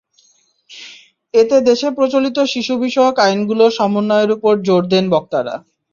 এতে দেশে প্রচলিত শিশু বিষয়ক আইনগুলো সমন্বয়ের ওপর জোর দেন বক্তারা।